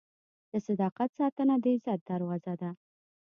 د صداقت ساتنه د عزت دروازه ده.